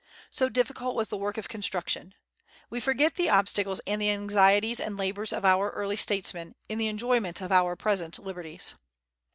So difficult was the work of construction. We forget the obstacles and the anxieties and labors of our early statesmen, in the enjoyment of our present liberties.